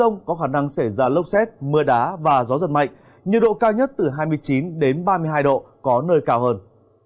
nhiệt độ cao nhất từ hai mươi chín ba mươi hai độ có nơi cao hơn